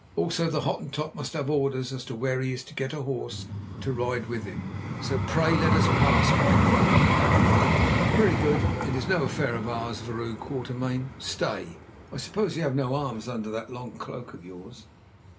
Also the Hottentot must have orders as to where he is to get a horse to ride with him, so pray let us pass, mynheer." "Very good; it is no affair of ours, Vrouw Quatermain— Stay, I suppose that you have no arms under that long cloak of yours."